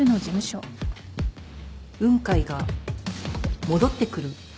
雲海が戻ってくる。